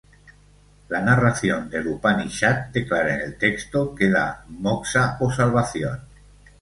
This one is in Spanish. La narración del Upanishad, declara en el texto, que da Moksha o salvación.